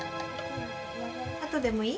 あとでもいい？